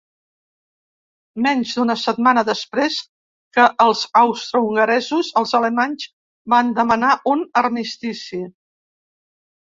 Menys d'una setmana després que els austrohongaresos, els alemanys van demanar un armistici.